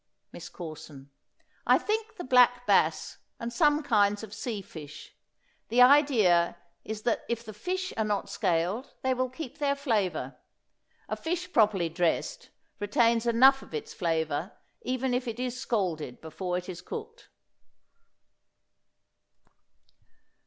MISS CORSON. I think the black bass, and some kinds of sea fish. The idea is that if the fish are not scaled they will keep their flavor; a fish properly dressed retains enough of its flavor even if it is scalded before it is cooked.